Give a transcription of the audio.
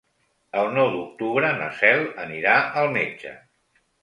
El nou d'octubre na Cel anirà al metge.